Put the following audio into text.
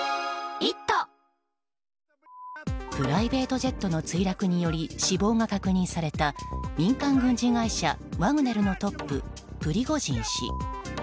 プライベートジェットの墜落により死亡が確認された民間軍事会社ワグネルのトッププリゴジン氏。